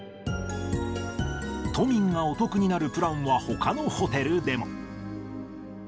都民がお得になるプランは、ほかのホテルでも。